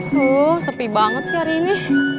aduh sepi banget sih hari ini